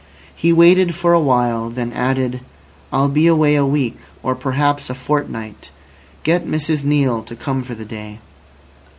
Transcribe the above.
He waited for a while, then added: "I'll be away a week or perhaps a fortnight. Get Mrs Neale to come for the day."